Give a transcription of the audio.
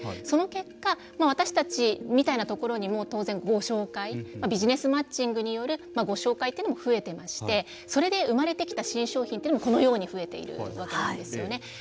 その結果私たちみたいなところにも当然ご紹介ビジネスマッチングによるご紹介というのもふえていましてそれで生まれてきた新商品というのもこのように増えているわけなんですよね。